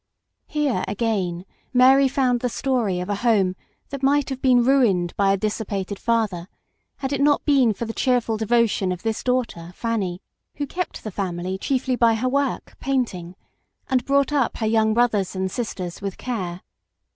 Here, again, Mary found the story of a home that might have been ruined by a dissipated father, had it not been for the cheerful devotion of this daughter Fanny, who kept the family chiefly by her work, painting, and brought up her young brothers and sisters with care.